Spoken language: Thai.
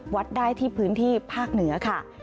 วัดได้ที่พื้นที่ภาคเหนือค่ะ